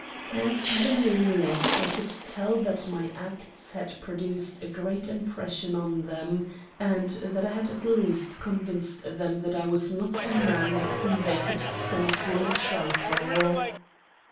As the men left I could tell that my acts had produced a great impression on them, and that I had at least convinced them that I was not a man with whom they could safely trifle.